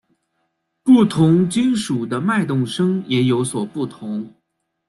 不同金属的脉动声也有所不同。